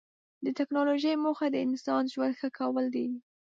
د ټکنالوجۍ موخه د انسان ژوند ښه کول دي.